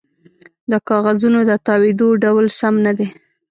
د کاغذونو د تاویدو ډول سم نه دی